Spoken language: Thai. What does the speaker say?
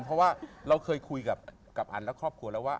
เพราะว่าเราเคยคุยกับอันและครอบครัวแล้วว่า